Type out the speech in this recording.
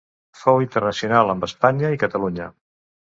Fou internacional amb Espanya i Catalunya.